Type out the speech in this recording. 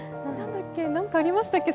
何かありましたっけ？